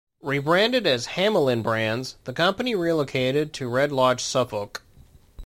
Rebranded as "Hamelin Brands", the company relocated to Red Lodge, Suffolk.